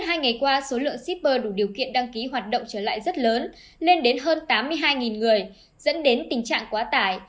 trong hai ngày qua số lượng shipper đủ điều kiện đăng ký hoạt động trở lại rất lớn lên đến hơn tám mươi hai người dẫn đến tình trạng quá tải